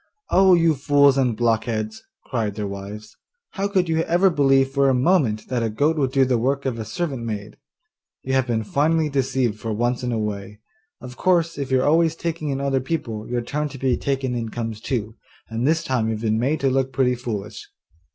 'Oh, you fools and blockheads!' cried their wives, 'how could you ever believe for a moment that a goat would do the work of a servant maid? You have been finely deceived for once in a way. Of course, if you are always taking in other people, your turn to be taken in comes too, and this time you've been made to look pretty foolish.